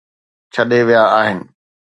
ڇڏي ويا آهن